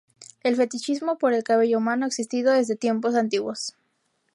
El fetichismo por el cabello humano ha existido desde tiempos antiguos.